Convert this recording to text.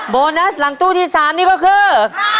โบนัสหลังตู้ที่๓นี่ก็คือ